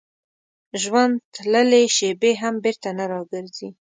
ژوند تللې شېبې هم بېرته نه راګرځي.